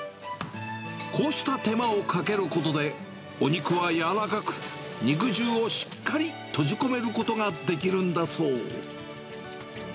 こうした手間をかけることで、お肉はやわらかく、肉汁をしっかり閉じ込めることができるんだそう。